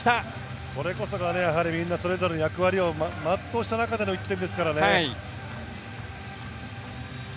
これこそがみんなそれぞれの役割をまっとうした中での１点ですからね。